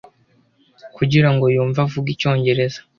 Kugira ngo yumve avuga icyongereza